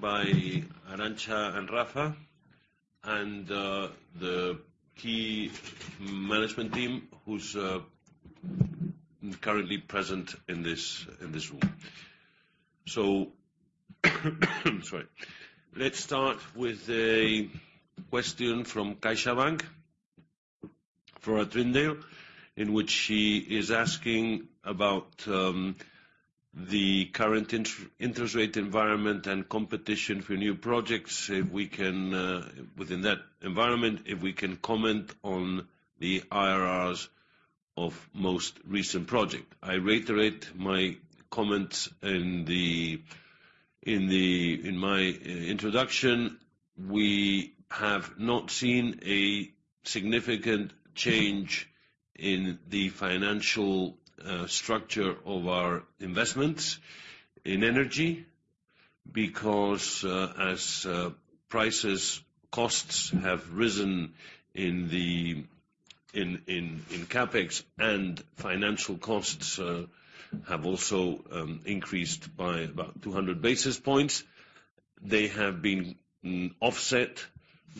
By Arantxa and Rafa, the key management team who's currently present in this room. Sorry. Let's start with a question from CaixaBank for Trindade, in which she is asking about the current interest rate environment and competition for new projects. If we can, within that environment, if we can comment on the IRRs of most recent project. I reiterate my comments in my introduction. We have not seen a significant change in the financial structure of our investments in energy because as prices, costs have risen in CapEx and financial costs have also increased by about 200 basis points. They have been offset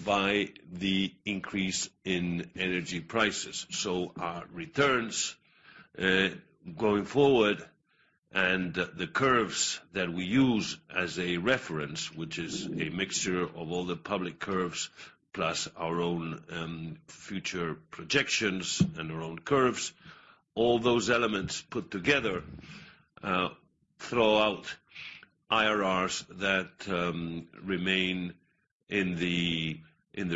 by the increase in energy prices. Our returns, going forward and the curves that we use as a reference, which is a mixture of all the public curves plus our own future projections and our own curves, all those elements put together, throw out IRRs that remain in the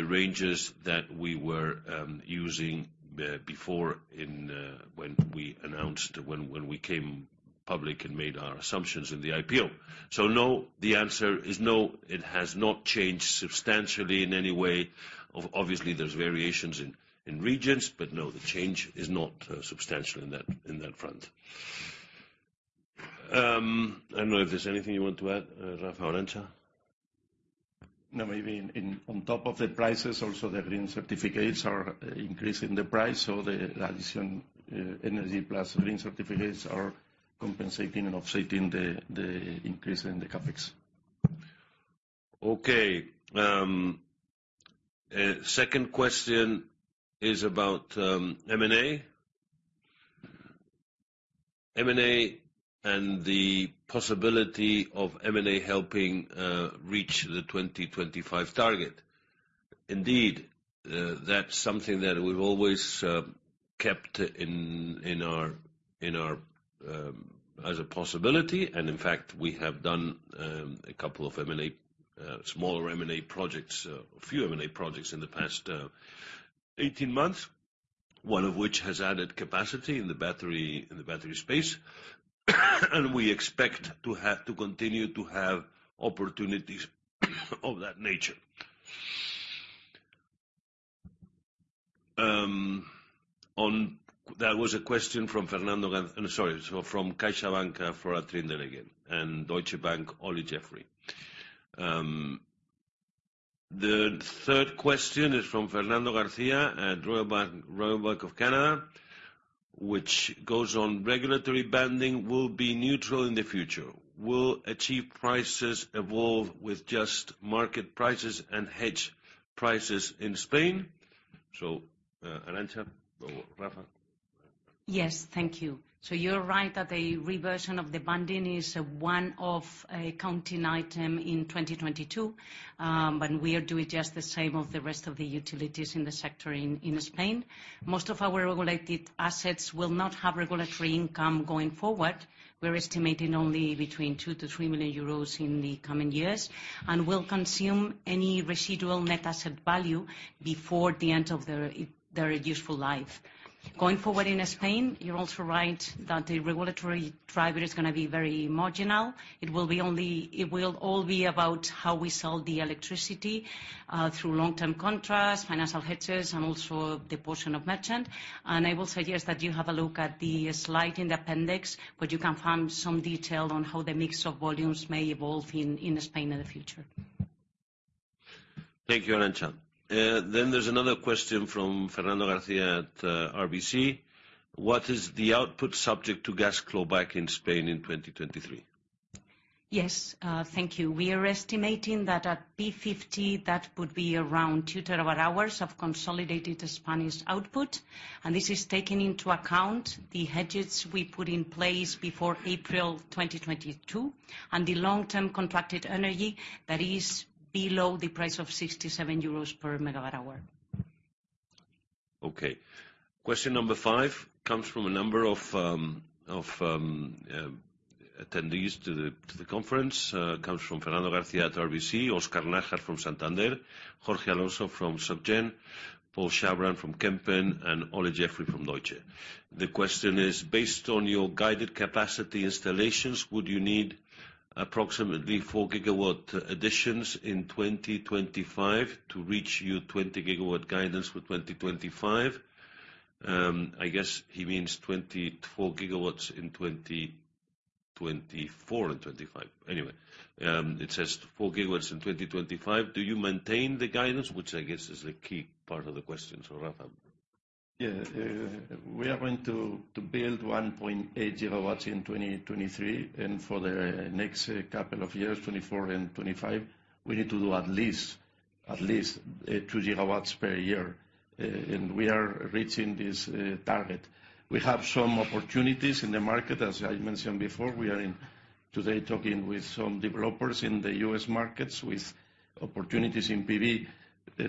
ranges that we were using before when we came public and made our assumptions in the IPO. No, the answer is no, it has not changed substantially in any way. Obviously, there's variations in regions, but no, the change is not substantial in that front. I don't know if there's anything you want to add, Rafa or Arantxa. No, maybe in on top of the prices also the green certificates are increasing the price, so the addition, energy plus green certificates are compensating and offsetting the increase in the CapEx. Okay. second question is about M&A. M&A and the possibility of M&A helping reach the 2025 target. Indeed, that's something that we've always kept in our, in our, as a possibility, and in fact, we have done a couple of M&A, smaller M&A projects, a few M&A projects in the past 18 months. One of which has added capacity in the battery space, and we expect to have to continue to have opportunities of that nature. That was a question from Fernando Garcia. I'm sorry. From CaixaBank for Trindade again, and Deutsche Bank, Olly Jeffery. The third question is from Fernando Garcia at Royal Bank of Canada, which goes on regulatory banding will be neutral in the future. Will achieve prices evolve with just market prices and hedge prices in Spain? Arantxa or Rafa. Thank you. You're right that the reversion of the banding is one of a accounting item in 2022. We are doing just the same of the rest of the utilities in the sector in Spain. Most of our regulated assets will not have regulatory income going forward. We're estimating only between 2 million-3 million euros in the coming years, and will consume any residual net asset value before the end of their useful life. Going forward in Spain, you're also right that the regulatory driver is gonna be very marginal. It will all be about how we sell the electricity through long-term contracts, financial hedges, and also the portion of merchant. I will suggest that you have a look at the slide in the appendix, where you can find some detail on how the mix of volumes may evolve in Spain in the future. Thank you, Arantxa. there's another question from Fernando Garcia at RBC. What is the output subject to gas clawback in Spain in 2023? Yes. Thank you. We are estimating that at P50, that would be around 2 terawatt-hours of consolidated Spanish output, and this is taking into account the hedges we put in place before April 2022, and the long-term contracted energy that is below the price of 67 euros per megawatt hour. Okay. Question number five comes from a number of attendees to the conference. It comes from Fernando Garcia at RBC, Óscar Nájar from Santander, Jorge Alonso from Société Générale, Lakhshmanan Sivalingam from Kempen, and Olly Jeffery from Deutsche. The question is: Based on your guided capacity installations, would you need approximately 4 gigawatt additions in 2025 to reach your 20 gigawatt guidance for 2025? I guess he means 24 gigawatts in 2024 and 2025. Anyway, it says 4 gigawatts in 2025. Do you maintain the guidance? Which I guess is the key part of the question. Rafa. Yeah, we are going to build 1.8 gigawatts in 2023, for the next couple of years, 2024 and 2025, we need to do at least 2 gigawatts per year. We are reaching this target. We have some opportunities in the market. As I mentioned before, we are in today talking with some developers in the U.S. markets with opportunities in PV,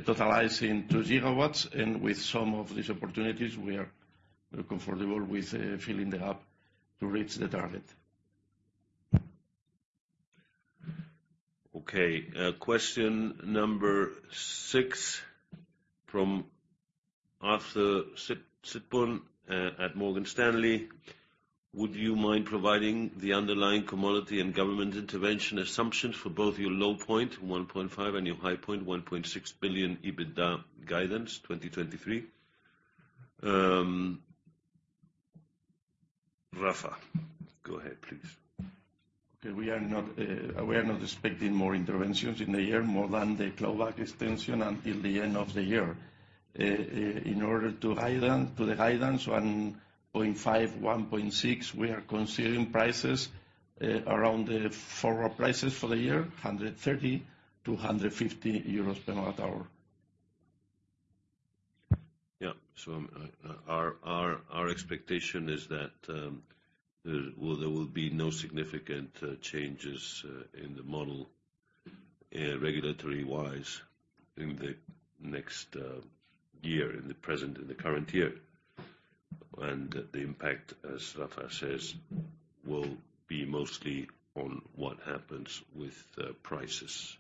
totalizing 2 gigawatts. With some of these opportunities, we are comfortable with filling the gap to reach the target. Okay. Question number 6 from Arthur Sitbon at Morgan Stanley. Would you mind providing the underlying commodity and government intervention assumptions for both your low point, 1.5, and your high point, 1.6 billion EBITDA guidance, 2023? Rafa, go ahead, please. Okay. We are not, we are not expecting more interventions in the year, more than the global extension until the end of the year. In order to the guidance, 1.5, 1.6, we are considering prices, around the forward prices for the year, 130-150 euros per watt hour. Our expectation is that, well, there will be no significant changes in the model regulatory-wise in the next year, in the present, in the current year. The impact, as Rafa says, will be mostly on what happens with the prices.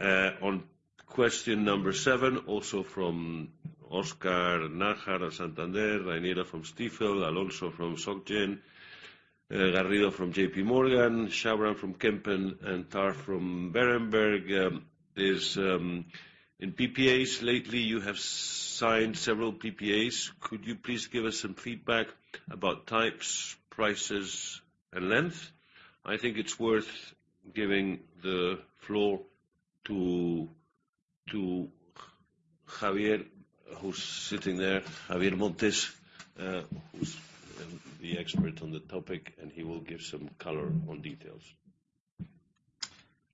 On question number 7, also from Óscar Nájar at Santander, Roberto Ranieri from Stifel, Jorge Alonso from Société Générale, Javier Garrido from JPMorgan Chase & Co., Lakhshmanan Sivalingam from Kempen, and Henry Tarr from Berenberg, is in PPAs. Lately, you have signed several PPAs. Could you please give us some feedback about types, prices, and length? I think it's worth giving the floor to Javier, who's sitting there, Javier Montes, who's the expert on the topic. He will give some color on details.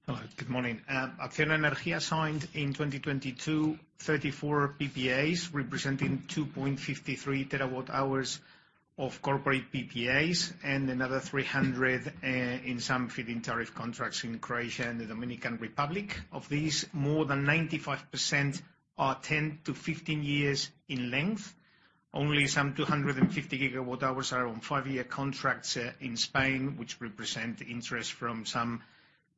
Hello, good morning. Acciona Energía signed in 2022, 34 PPAs, representing 2.53 terawatt-hours of corporate PPAs and another 300 in some feed-in tariff contracts in Croatia and the Dominican Republic. Of these, more than 95% are 10-15 years in length. Only some 250 gigawatt-hours are on 5-year contracts in Spain, which represent interest from some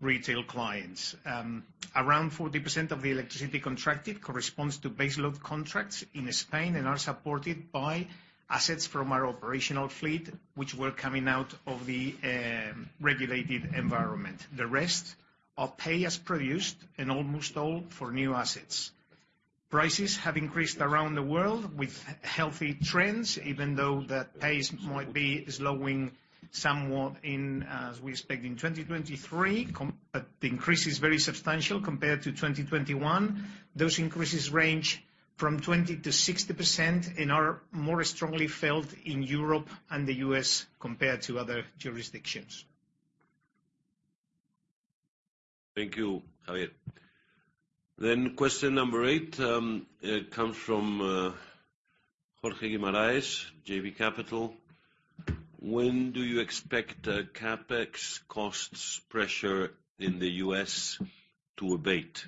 retail clients. Around 40% of the electricity contracted corresponds to base load contracts in Spain and are supported by assets from our operational fleet, which were coming out of the regulated environment. The rest are pay-as-produced and almost all for new assets. Prices have increased around the world with healthy trends even though the pace might be slowing somewhat in, as we expect, in 2023 but the increase is very substantial compared to 2021. Those increases range from 20%-60% and are more strongly felt in Europe and the U.S. compared to other jurisdictions. Thank you, Javier. Question number eight comes from Jorge Guimarães, JB Capital. When do you expect CapEx costs pressure in the U.S. to abate?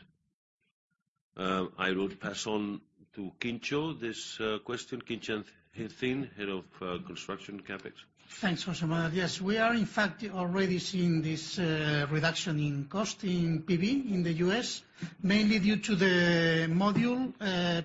I will pass on to Yin Cho this question. Yin Cho-Hsin, Head of Construction CapEx. Thanks, José Manuel. Yes, we are in fact already seeing this reduction in cost in PV in the U.S., mainly due to the module,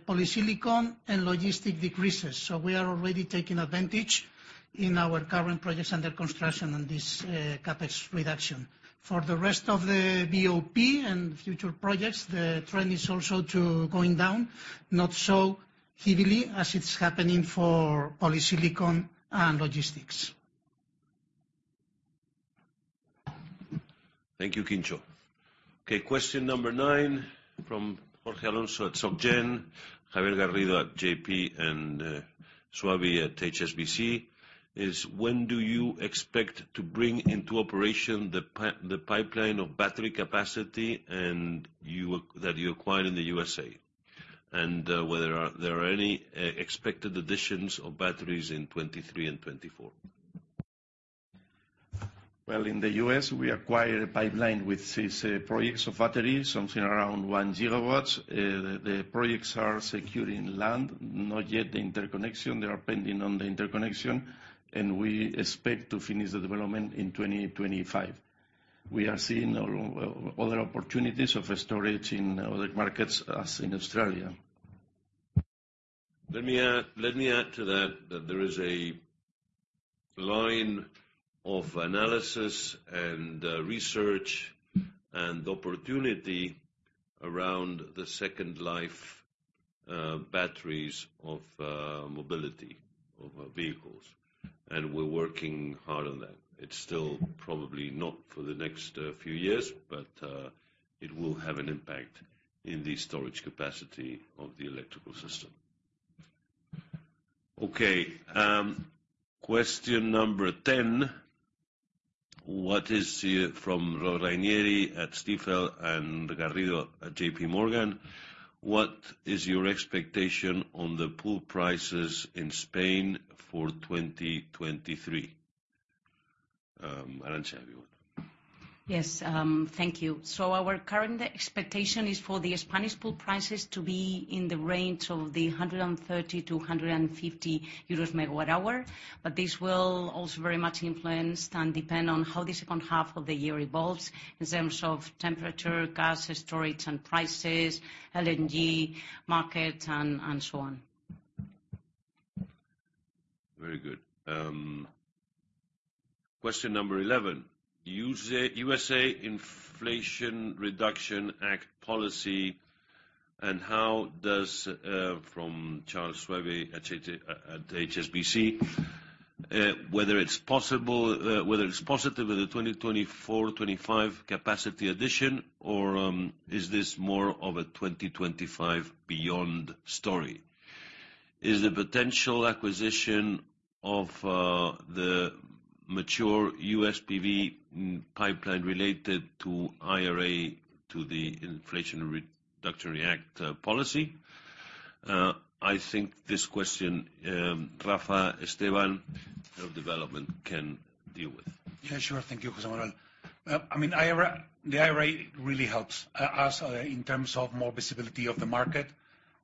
polysilicon and logistic decreases. We are already taking advantage in our current projects under construction on this CapEx reduction. For the rest of the BOP and future projects, the trend is also to going down, not so heavily as it's happening for polysilicon and logistics. Thank you, Yin Cho. Okay, question number 9 from Jorge Alonso at SocGen, Javier Garrido at JP, and Charles Swabey at HSBC, is when do you expect to bring into operation the pipeline of battery capacity that you acquired in the USA? Were there any expected additions of batteries in 2023 and 2024? Well, in the U.S., we acquired a pipeline with six projects of batteries, something around 1 GW. The projects are securing land, not yet the interconnection. They are pending on the interconnection, and we expect to finish the development in 2025. We are seeing other opportunities of storage in other markets as in Australia. Let me add, let me add to that there is a line of analysis and research and opportunity around the second life batteries of mobilityOf our vehicles, and we're working hard on that. It's still probably not for the next few years, but it will have an impact in the storage capacity of the electrical system. Okay, question number 10. From Ranieri at Stifel and Garrido at JPMorgan, what is your expectation on the pool prices in Spain for 2023? Arantxa, have you got it? Thank you. Our current expectation is for the Spanish pool prices to be in the range of 130-150 euros megawatt-hour. This will also very much influenced and depend on how the second half of the year evolves in terms of temperature, gas storage and prices, LNG market and so on. Very good. Question number 11. USA Inflation Reduction Act policy and how does from Charles Swabey at HSBC, whether it's possible, whether it's positive with the 2024, 2025 capacity addition or is this more of a 2025 beyond story? Is the potential acquisition of the mature U.S. PV pipeline related to IRA to the Inflation Reduction Act policy? I think this question Rafael Esteban, Head of Development can deal with. Yeah, sure. Thank you, José Manuel. I mean, IRA, the IRA really helps us in terms of more visibility of the market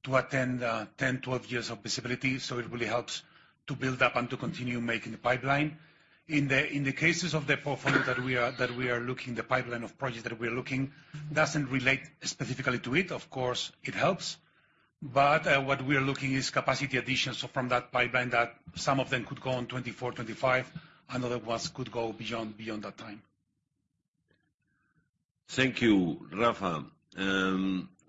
to attend 10, 12 years of visibility. It really helps to build up and to continue making the pipeline. In the cases of the portfolio that we are looking, the pipeline of projects that we are looking, doesn't relate specifically to it. Of course, it helps. What we are looking is capacity addition. From that pipeline that some of them could go on 2024, 2025, and other ones could go beyond that time. Thank you, Rafa.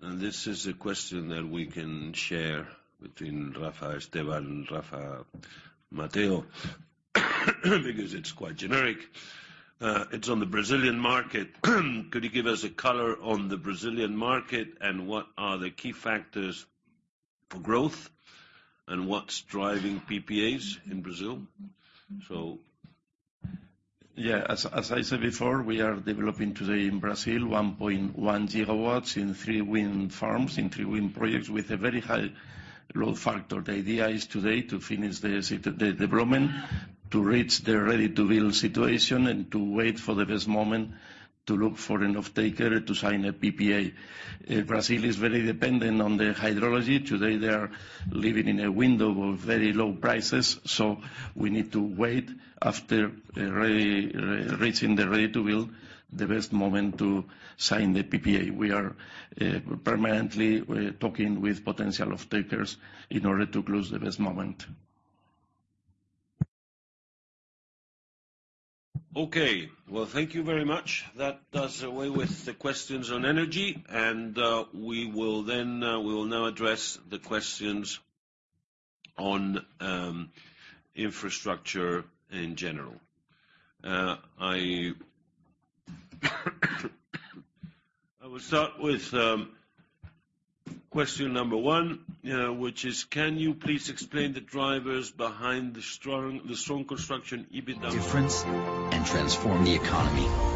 This is a question that we can share between Rafa Esteban and Rafa Mateo because it's quite generic. It's on the Brazilian market. Could you give us a color on the Brazilian market, and what are the key factors for growth, and what's driving PPAs in Brazil? So... Yeah. As I said before, we are developing today in Brazil 1.1 gigawatts in three wind farms, in three wind projects with a very high load factor. The idea is today to finish the development, to reach the Ready to Build situation and to wait for the best moment to look for an off-taker to sign a PPA. Brazil is very dependent on the hydrology. Today, they are living in a window of very low prices, so we need to wait after reaching the Ready to Build, the best moment to sign the PPA. We are permanently talking with potential off-takers in order to close the best moment. Okay. Well, thank you very much. That does away with the questions on energy. We will then, we will now address the questions on infrastructure in general. I will start with question number one, which is, can you please explain the drivers behind the strong construction EBITDA? Difference and transform the economy.